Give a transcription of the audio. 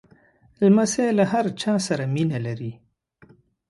لمسی له هر چا سره مینه لري.